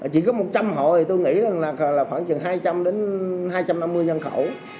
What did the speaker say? chỉ có một trăm linh hộ thì tôi nghĩ là khoảng chừng hai trăm linh đến hai trăm năm mươi nhân khẩu